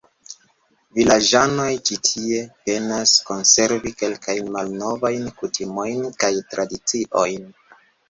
Vilaĝanoj ĉi tie penas konservi kelkajn malnovajn kutimojn kaj tradiciojn.